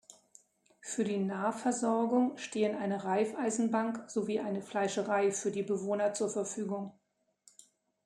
Für die Nahversorgung stehen eine Raiffeisenbank sowie eine Fleischerei für die Bewohner zur Verfügung.